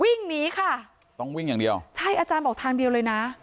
วิ่งหนีค่ะต้องวิ่งอย่างเดียวใช่อาจารย์บอกทางเดียวเลยนะ